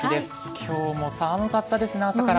きょうも寒かったですね、朝から。